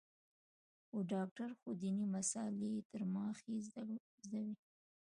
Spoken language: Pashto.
و ډاکتر خو ديني مسالې يې تر ما ښې زده وې.